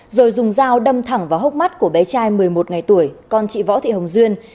rồi dùng dao đâm thẳng vào hốc mắt của bé trai một mươi một ngày tuổi con chị võ thị hồng duyên